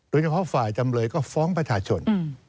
โดยเฉพาะฝ่ายจำเลยก็ฟ้องประชาชน